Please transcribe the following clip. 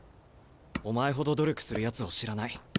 お前ほど努力するやつを知らない。